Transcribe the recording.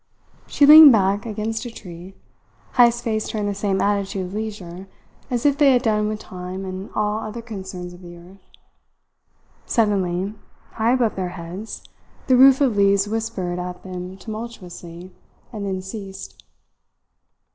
She leaned back against a tree. Heyst faced her in the same attitude of leisure, as if they had done with time and all the other concerns of the earth. Suddenly, high above their heads the roof of leaves whispered at them tumultuously and then ceased.